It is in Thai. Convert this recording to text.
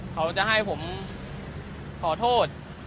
เขาจะให้ผมขอโทษ